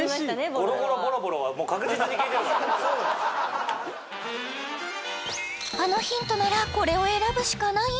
ボロボロはあのヒントならこれを選ぶしかない？